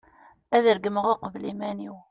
ad regmeɣ uqbel iman-iw